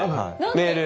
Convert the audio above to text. メール。